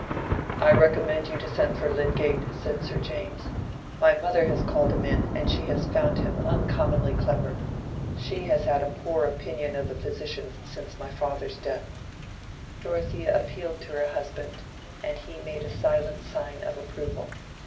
"I recommend you to send for Lydgate," said Sir James. "My mother has called him in, and she has found him uncommonly clever. She has had a poor opinion of the physicians since my father's death." Dorothea appealed to her husband, and he made a silent sign of approval.